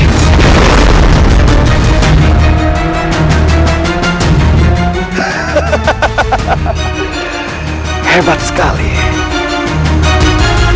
itu batu permata yang kalian terlalu akan memberikan kesuatan tiga kali lipatan ke dunia